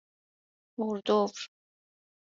اردور